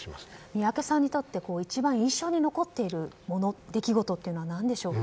宮家さんにとって一番印象に残っている出来事は何でしょうか。